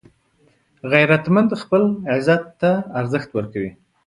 غیرتمند خپل عزت ته ارزښت ورکوي